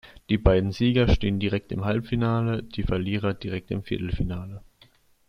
Die beiden Sieger stehen direkt im Halbfinale, die Verlierer direkt im Viertelfinale.